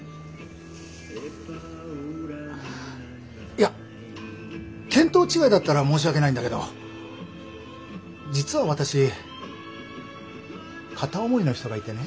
いや見当違いだったら申し訳ないんだけど実は私片思いの人がいてね。